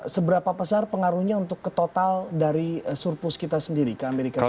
seberapa besar pengaruhnya untuk ke total dari surplus kita sendiri ke amerika serikat